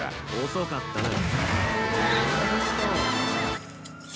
遅かったな。